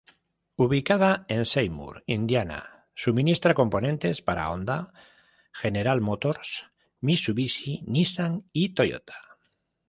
Ubicada en Seymour, Indiana, suministra componentes para Honda, General Motors, Mitsubishi, Nissan y Toyota.